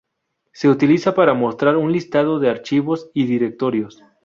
Se utiliza para mostrar un listado de archivos y directorios.